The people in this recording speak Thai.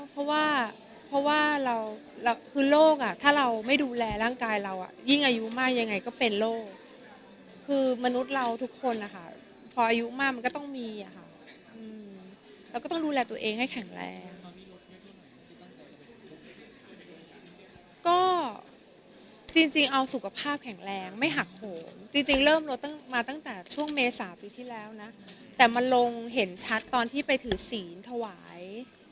เพราะว่าเพราะว่าเราคือโรคอ่ะถ้าเราไม่ดูแลร่างกายเราอ่ะยิ่งอายุมากยังไงก็เป็นโรคคือมนุษย์เราทุกคนนะคะพออายุมากมันก็ต้องมีอะค่ะเราก็ต้องดูแลตัวเองให้แข็งแรงก็จริงเอาสุขภาพแข็งแรงไม่หักโหมจริงเริ่มลดตั้งมาตั้งแต่ช่วงเมษาปีที่แล้วนะแต่มันลงเห็นชัดตอนที่ไปถือศีลถวาย